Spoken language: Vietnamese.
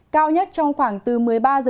cao nhất trong khoảng từ một mươi ba giờ